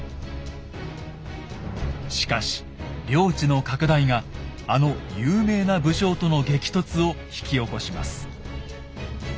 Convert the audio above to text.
しかし領地の拡大があの有名な武将との激突を引き起こします。